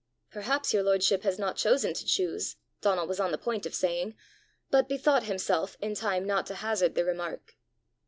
"Perhaps your lordship has not chosen to choose!" Donal was on the point of saying, but bethought himself in time not to hazard the remark.